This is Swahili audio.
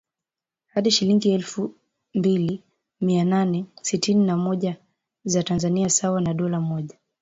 hadi shilingi elfu mbili mia nane sitini na moja za Tanzania sawa na dola moja